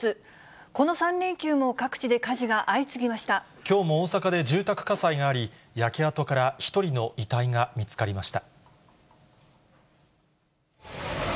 この３連休も各地で火事が相次ぎきょうも大阪で住宅火災があり、焼け跡から１人の遺体が見つかりました。